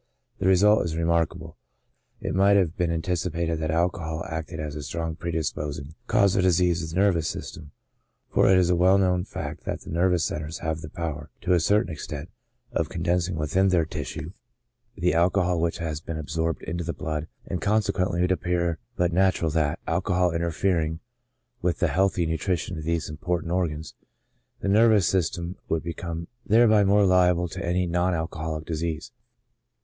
The result is remarkable ; it might have been anticipated that alcohol acted as a strong predis posing cause of disease of the nervous system ; for it is a well known fact that the nervous centres have the power, to a certain extent, of condensing within their tissue the 164 ON THE ABUSE OF ALCOHOL alcohol which has been absorbed into the blood, and con sequently it would appear but natural that, alcohol interfer ing with the healthy nutrition of these important organs, the nervous system would become thereby more liable to any non alcoholic disease.